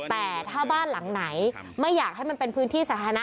แต่ถ้าบ้านหลังไหนไม่อยากให้มันเป็นพื้นที่สาธารณะ